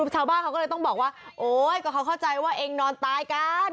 ชาวบ้านเขาก็เลยต้องบอกว่าโอ๊ยก็เขาเข้าใจว่าเองนอนตายกัน